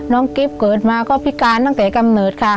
กิ๊บเกิดมาก็พิการตั้งแต่กำเนิดค่ะ